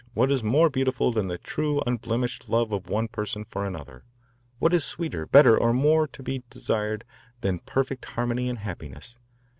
What is more beautiful than the true unblemished love of one person for another? What is sweeter, better, or more to be desired than perfect harmony and happiness?